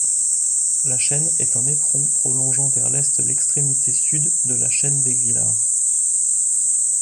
La chaîne est un éperon prolongeant vers l'est l'extrémité sud de la chaîne D'Aguilar.